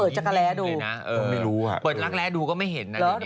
เปิดจักรแรดูเลยน่ะเออไม่รู้อ่ะเปิดรักแรดูก็ไม่เห็นน่ะหรือ